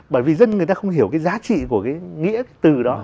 bởi vì dân người ta không hiểu cái giá trị của cái nghĩa từ đó